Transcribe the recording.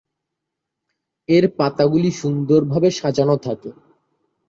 এর পাতাগুলি সুন্দর ভাবে সাজানো থাকে।